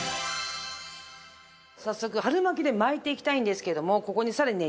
早速春巻きで巻いていきたいんですけれどもここに更にね